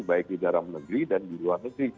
baik di dalam negeri dan di luar negeri